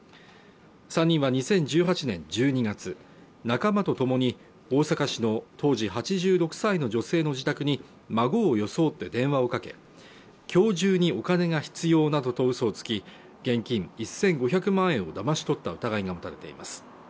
３人は２０１８年１２月仲間と共に大阪市の当時８６歳の女性の自宅に孫を装って電話をかけ今日中にお金が必要などとうそをつき現金１５００万円をだまし取った疑いが持たれています